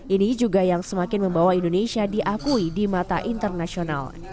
ini juga yang semakin membawa indonesia diakui di mata internasional